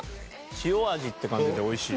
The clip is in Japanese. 塩味って感じで美味しい。